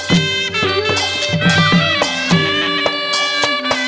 มีชื่อว่าโนราตัวอ่อนครับ